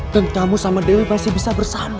dan kamu sama dewi masih bisa bersama